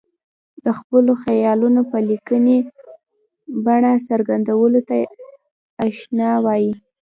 د خپلو خیالونو په لیکلې بڼه څرګندولو ته انشأ وايي.